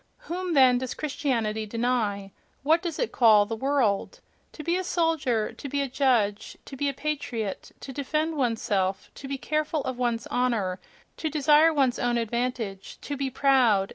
Whom, then, does Christianity deny? what does it call "the world"? To be a soldier, to be a judge, to be a patriot; to defend one's self; to be careful of one's honour; to desire one's own advantage; to be proud